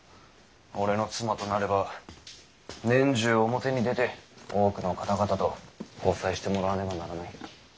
俺の妻となれば年中表に出て多くの方々と交際してもらわねばならない。